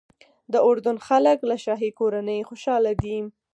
د اردن خلک له شاهي کورنۍ خوشاله دي.